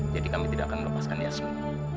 jadi kami tidak akan melepaskan yasmin